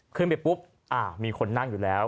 ขึ้นไปปุ๊บมีคนนั่งอยู่แล้ว